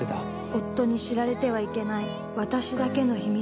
夫に知られてはいけない私だけの秘密。